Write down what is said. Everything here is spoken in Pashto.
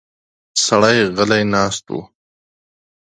سړی غلی ناست و.